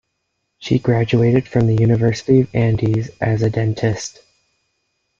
She graduated from the University of the Andes as a dentist.